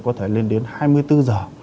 có thể lên đến hai mươi bốn giờ